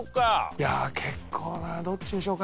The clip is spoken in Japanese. いや結構などっちにしようかな？